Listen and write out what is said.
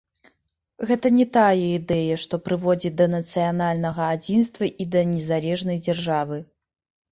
Гэта не тая ідэя, што прыводзіць да нацыянальнага адзінства і да незалежнай дзяржавы.